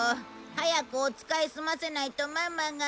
早くお使い済ませないとママが。